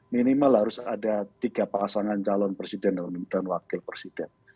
minimal harus ada tiga pasangan calon presiden dan wakil presiden